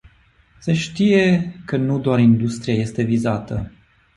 Se știe că nu doar industria este vizată.